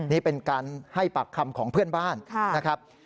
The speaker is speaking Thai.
นี่เป็นการให้ปากคำของเพื่อนบ้านนะครับ